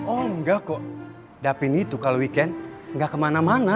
oh enggak kok daffin gitu kalau weekend gak kemana mana